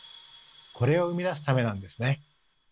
これを生み出すためなんですね。